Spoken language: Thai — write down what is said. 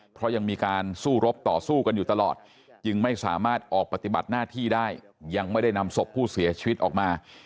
เพราะยังมีการสู้รบต่อสู้กันอยู่ตลอดจึงไม่สามารถออกปฏิบัติหน้าที่ได้ยังไม่ได้นำศพผู้เสียชีวิตออกมา